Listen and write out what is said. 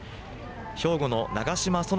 兵庫の長嶋幸